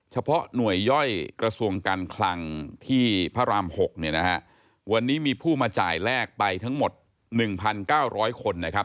เฉพาะหน่วยย่อยกระทรวงการคลังที่พระราม๖เนี่ยนะฮะวันนี้มีผู้มาจ่ายแลกไปทั้งหมด๑๙๐๐คนนะครับ